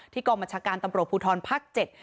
ที่กรมบัญชาการตำรวจภูทรภักดิ์๗